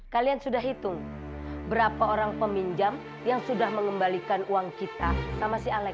kalian sudah hitung berapa orang peminjam yang sudah mengembalikan uang kita sama si alex